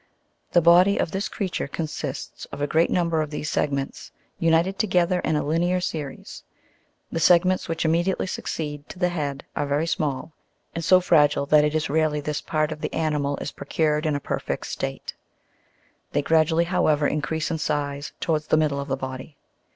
The body of this creature consists of a great number of these segments, united together in a linear series (Jig. 83) : the segments which immediately succeed to the head (a) are very small, and so fragile that it is rarely this part of the animal is procured in a perfect state; they gradually however increase in size towards the middle of the body.